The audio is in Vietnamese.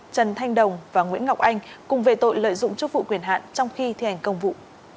trần thanh đồng và nguyễn ngọc anh cùng về tội lợi dụng chức vụ quyền hạn trong khi thi hành công vụ